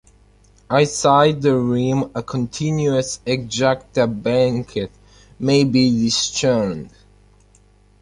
Outside the rim, a continuous ejecta blanket may be discerned.